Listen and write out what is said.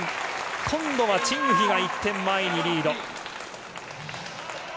今度はチン・ウヒが１点前にリード。